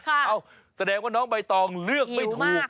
เอ้าแสดงว่าน้องใบตองเลือกไม่ถูก